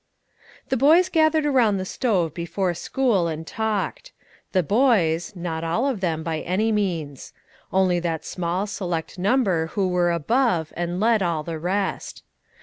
The boys gathered around the stove before school, and talked. The boys, not all of them, by any means. Only that small, select number who were above, and led all the rest.